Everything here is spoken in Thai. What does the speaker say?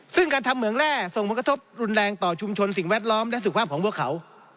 ซึ่งการทำเหมืองแร่ส่งผลกระทบรุนแรงต่อชุมชนสิ่งแวดล้อมและสุขภาพของพวกเขา